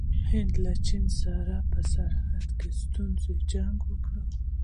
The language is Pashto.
هند له چین سره په سرحدي ستونزه جنګ وکړ.